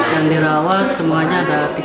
yang dirawat semuanya dua puluh dua